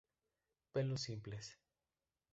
Pelos simples.